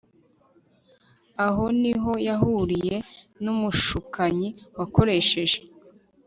aho ni ho yahuriye numushukanyi wakoresheje